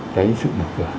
cái sự mở cửa